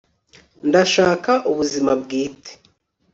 ndashaka ubuzima bwite